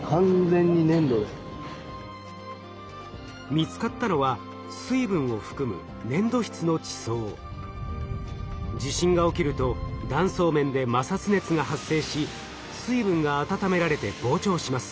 見つかったのは水分を含む地震が起きると断層面で摩擦熱が発生し水分が温められて膨張します。